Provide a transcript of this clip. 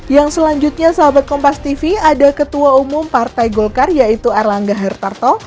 yang selanjutnya sahabat kompas tv ada ketua umum partai golkar yaitu erlangga hertarto